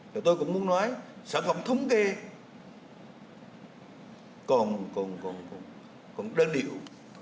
và tôi cũng muốn nói sản phẩm thống kê còn đơn điệu